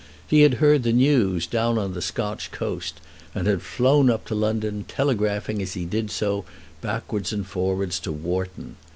He had heard the news down on the Scotch coast, and had flown up to London, telegraphing as he did so backwards and forwards to Wharton.